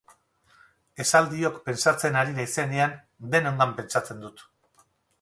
Esaldiok pentsatzen ari naizenean, denongan pentsatzen dut.